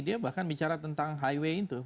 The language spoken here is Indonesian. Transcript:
dia bahkan bicara tentang highway itu